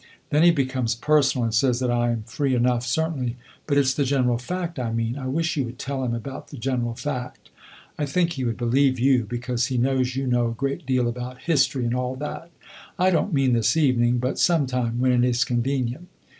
Then he becomes personal and says that I am free enough, certainly. But it 's the general fact I mean; I wish you would tell him about the general fact. I think he would believe you, because he knows you know a great deal about history and all that. I don't mean this evening, but some time when it is convenient.